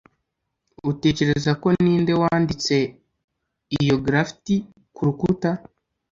utekereza ko ninde wanditse iyo graffiti kurukuta